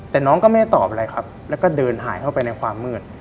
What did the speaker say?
แต่น้องก็ไม่ตอบอะไรครับแล้วก็เดินหายเข้าไปในความมืด